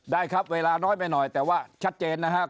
ได้ครับเวลาน้อยไปหน่อยแต่ว่าชัดเจนนะครับ